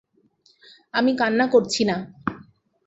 আমি কান্না করছি না।